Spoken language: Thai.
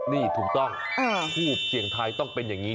นี่ถูกต้องทูบเสี่ยงทายต้องเป็นอย่างนี้